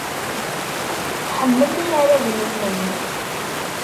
Ḥemmel inaragen-nnem.